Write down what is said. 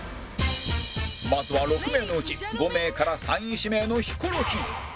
まずは６名のうち５名から３位指名のヒコロヒー